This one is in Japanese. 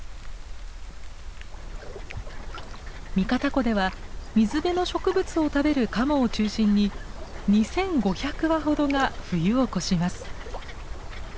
三方湖では水辺の植物を食べるカモを中心に２，５００羽ほどが冬を越します。